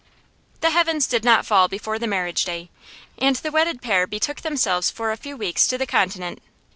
The heavens did not fall before the marriage day, and the wedded pair betook themselves for a few weeks to the Continent.